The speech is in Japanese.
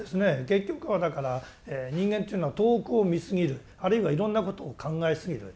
結局はだから人間というのは遠くを見すぎるあるいはいろんなことを考えすぎる。